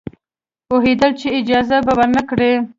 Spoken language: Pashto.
پوهېدل چې اجازه به ورنه کړي.